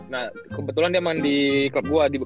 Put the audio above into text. nah kebetulan dia main di club gue